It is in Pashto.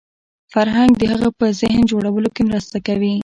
فرهنګ د هغه په ذهن جوړولو کې مرسته کوي